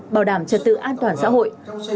bảo đảm trật tự an toàn xã hội